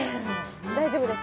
大丈夫です。